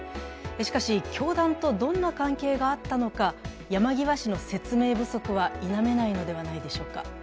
しかし、教団とどんな関係があったのか、山際氏の説明不足は否めないのではないでしょうか。